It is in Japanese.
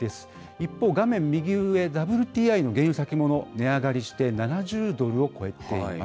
一方、画面右上、ＷＴＩの原油先物、値上がりして７０ドルを超えています。